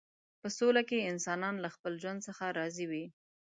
په سوله کې انسانان له خپل ژوند څخه راضي وي.